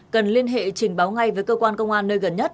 cần liên hệ trình báo ngay với cơ quan công an nơi gần nhất